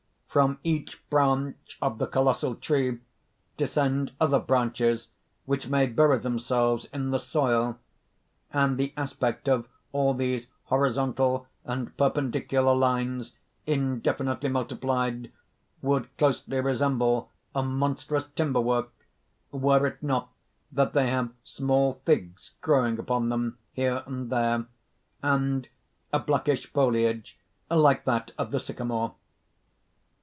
From each branch of the colossal tree descend other branches which may bury themselves in the soil; and the aspect of all these horizontal and perpendicular lines, indefinitely multiplied, would closely resemble a monstrous timber work, were it not that they have small figs growing upon them here and there, and a blackish foliage, like that of the sycamore.